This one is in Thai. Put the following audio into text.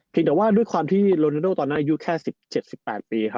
เพียงแต่ว่าด้วยความที่โลนาโดตอนนั้นอายุแค่๑๗๑๘ปี